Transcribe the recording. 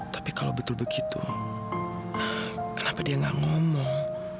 tapi kalau betul begitu kenapa dia nggak ngomong